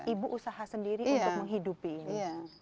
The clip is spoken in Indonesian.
ibu usaha sendiri untuk menghidupi ini